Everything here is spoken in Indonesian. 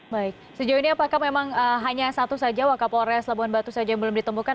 baik sejauh ini apakah memang hanya satu saja wakapolres labuan batu saja yang belum ditemukan